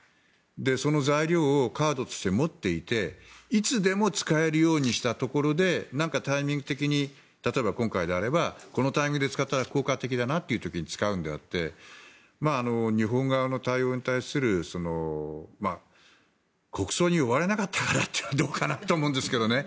その材料をカードとして持っていていつでも使えるようにしたところで何かタイミング的に例えば、今回であればこのタイミングで使ったら効果的だなというタイミングで使うんであって日本側の対応に対する国葬に呼ばれなかったからというのはどうかなと思うんですがね。